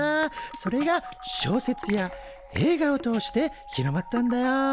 それが小説や映画を通して広まったんだよ。